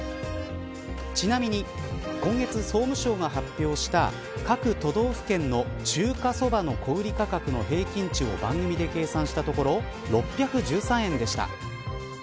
ちなみに、今月総務省が発表した各都道府県の中華そばの小売り価格の平均値を番組で計算したところ６１３円でした。